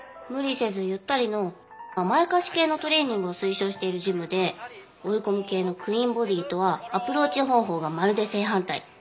「無理せずゆったり」の甘やかし系のトレーニングを推奨しているジムで追い込み系のクイーンボディーとはアプローチ方法がまるで正反対。